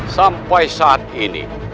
sampai saat ini